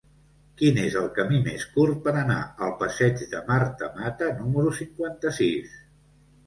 Quin és el camí més curt per anar al passeig de Marta Mata número cinquanta-sis?